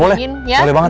boleh boleh banget